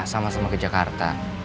sama sama ke jakarta